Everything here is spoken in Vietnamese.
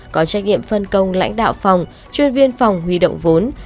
có trách nhiệm phân công lãnh đạo phòng chuyên viên phòng huy động vốn